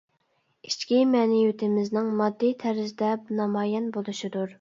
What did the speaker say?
ئىچكى مەنىۋىيىتىمىزنىڭ ماددىي تەرزدە نامايان بولۇشىدۇر.